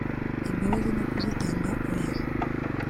imbabazi no kuzitanga oyee